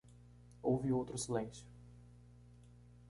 Houve outro silêncio.